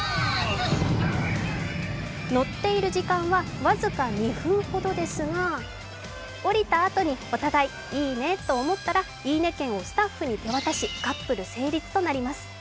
乗っている時間は僅か２分ほどですが降りたあとにお互いいいねと思ったら「いいね！券」をスタッフに手渡しカップル成立となります。